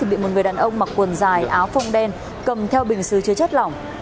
bị một người đàn ông mặc quần dài áo phông đen cầm theo bình xứ chứa chất lỏng